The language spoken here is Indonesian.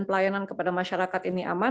pelayanan kepada masyarakat ini aman